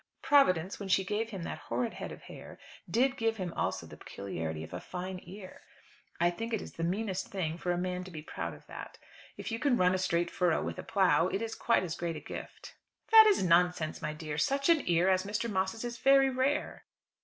Providence when she gave him that horrid head of hair, did give him also the peculiarity of a fine ear. I think it is the meanest thing out for a man to be proud of that. If you can run a straight furrow with a plough it is quite as great a gift." "That is nonsense, my dear. Such an ear as Mr. Moss's is very rare."